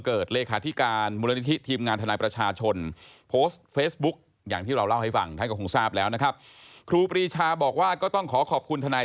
กรณีที่นายสุฤยธรรมนี่บังเกิด